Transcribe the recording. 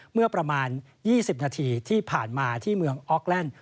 เมื่อประมาณ๒๐นาทีที่ผ่านมาที่เมืองออกแลนด์